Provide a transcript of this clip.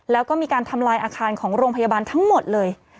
แล้วก็มีการทำลายอาคารของโรงพยาบาลทั้งหมดเลย